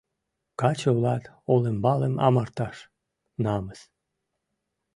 Каче улат, олымбалым амырташ — намыс.